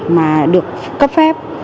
mà được cấp phép